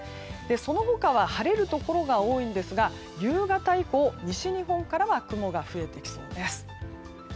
その他は晴れるところが多いですが夕方以降、西日本からは雲が増えてきそうです。